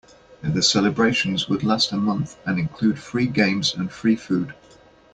The celebrations would last a month and include free games and free food.